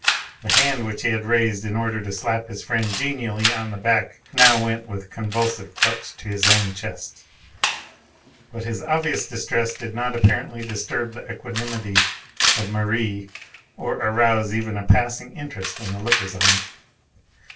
The hand which he had raised in order to slap his friend genially on the back now went with a convulsive clutch to his own chest. But his obvious distress did not apparently disturb the equanimity of Merri, or arouse even passing interest in the lookers on.